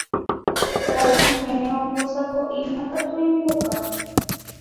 Karai Giménez ombosako'íma katu imboka.